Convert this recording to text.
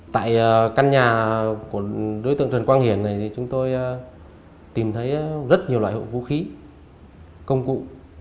tại căn nhà của đối tượng trần quang hiển này chúng tôi tìm thấy rất nhiều loại hộ vũ khí công cụ